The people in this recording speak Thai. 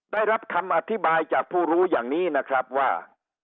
ได้รับคำอธิบายจากผู้รู้อย่างนี้นะครับว่า